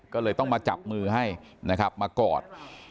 ก็เลยต้องมาจับมือให้มากอด